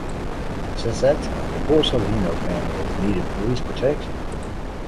Since that time, the Borsellino family has needed police protection.